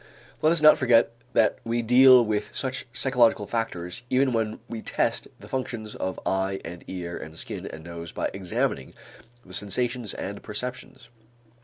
Let us not forget that we deal with such psychological factors even when we test the functions of eye and ear and skin and nose by examining the sensations and perceptions.